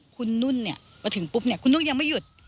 คุณนุ่นเนี่ยมาถึงปุ๊บเนี่ยคุณนุ่นยังไม่หยุด